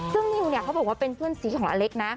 ซึ่งนิวเนี่ยเขาบอกว่าเป็นเพื่อนสีของอเล็กนะ